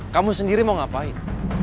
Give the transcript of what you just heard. kamu sendiri mau ngapain